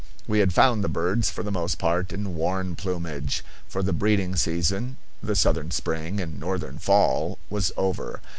We had found the birds for the most part in worn plumage, for the breeding season, the southern spring and northern fall, was over.